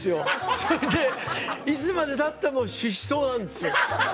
それでいつまでたってもししとうなんですよ。